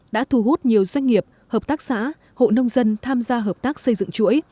đã thu hút nhiều doanh nghiệp hợp tác xã hộ nông dân tham gia hợp tác xây dựng chuỗi